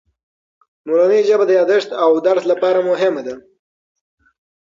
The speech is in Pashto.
مورنۍ ژبه د یادښت او درس لپاره مهمه ده.